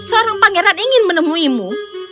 seorang pangeran ingin menemuimu